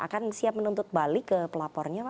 akan siap menuntut balik ke pelapornya